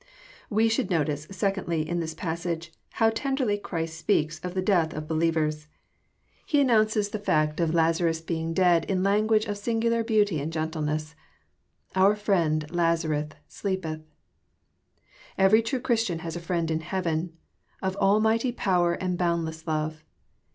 We should notice, secondly, in this passage, Tiow tenderly Christ speaks of the death of believers. He announces the 244 EXPOsrroBT thoughts. fact of Lazarus being dead in language of singnlar beaaty and gentleness :^^ Our friend Lazarus sleepeth." Every true Christian has a Friend in heaven, of almighty power and boundless love.